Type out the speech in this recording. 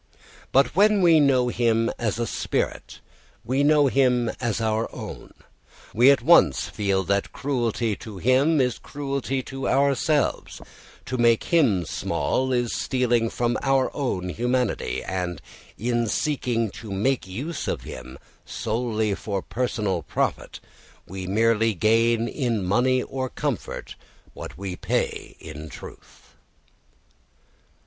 But when we know him as a spirit we know him as our own. We at once feel that cruelty to him is cruelty to ourselves, to make him small is stealing from our own humanity, and in seeking to make use of him solely for personal profit we merely gain in money or comfort what we pay in truth.